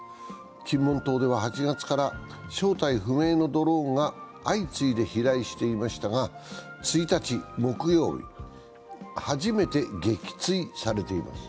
金門島では８月から正体不明のドローンが相次いで飛来していましたが、１日木曜日、初めて撃墜されています。